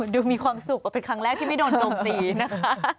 ดูมีความสุขก็เป็นครั้งแรกที่ไม่โดนโจมตีนะคะ